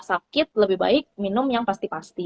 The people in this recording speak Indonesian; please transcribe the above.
sakit lebih baik minum yang pasti pasti